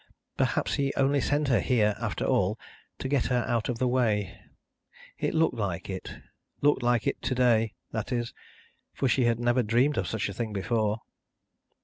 Perhaps he only sent her here, after all, to get her out of the way. It looked like it looked like it to day, that is, for she had never dreamed of such a thing before.